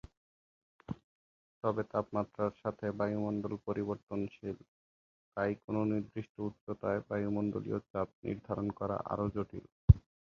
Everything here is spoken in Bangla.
তবে তাপমাত্রার সাথে বায়ুমণ্ডল পরিবর্তনশীল, তাই কোন নির্দিষ্ট উচ্চতায় বায়ুমণ্ডলীয় চাপ নির্ধারণ করা আরও জটিল।